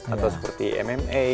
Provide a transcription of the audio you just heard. atau seperti mma